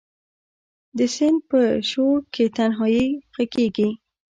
د سیند په شو رکې تنهایې ږغیږې